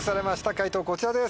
解答こちらです。